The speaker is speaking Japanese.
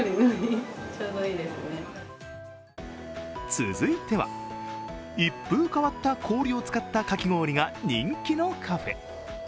続いては、一風変わった氷を使ったかき氷が人気のカフェ。